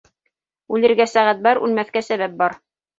Үлергә сәғәт бар, үлмәҫкә сәбәп бар.